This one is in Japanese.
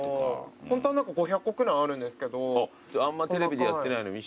ホントは５００個くらいあるんですけど。